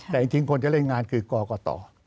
แต่จริงคนจะเล่นงานคือกรกต